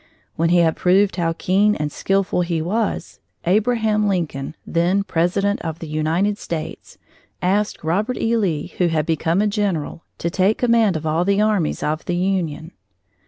When he had proved how keen and skilful he was, Abraham Lincoln, then president of the United States, asked Robert E. Lee, who had become a general, to take command of all the armies of the Union.